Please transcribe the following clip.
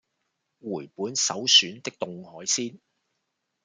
回本首選的凍海鮮